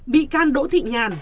bị can đỗ thị nhàn